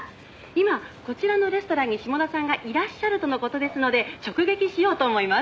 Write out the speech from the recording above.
「今こちらのレストランに志茂田さんがいらっしゃるとの事ですので直撃しようと思います」